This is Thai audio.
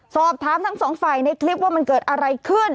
สอบถามทั้งสองฝ่ายในคลิปว่ามันเกิดอะไรขึ้น